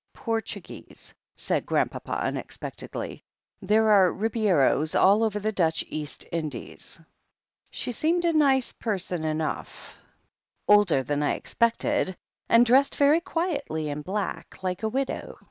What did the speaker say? "Portuguese," said Grandpapa unexpectedly. "There are Ribeiros all over the Dutdi East Indies." •*'She seemed a nice person enough— older than I expected, and dressed very quietly in black, like a widow.